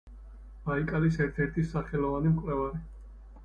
ბაიკალის ერთ-ერთი სახელოვანი მკვლევარი.